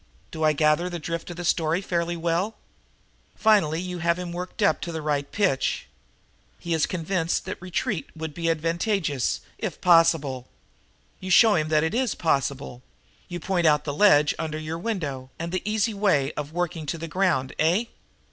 Do I gather the drift of the story fairly well? Finally you have him worked up to the right pitch. He is convinced that a retreat would be advantageous, if possible. You show him that it is possible. You point out the ledge under your window and the easy way of working to the ground. Eh?"